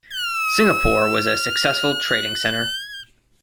Singapore was a successful trading centre.